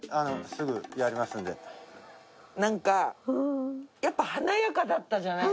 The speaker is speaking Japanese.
なんかやっぱ華やかだったじゃない？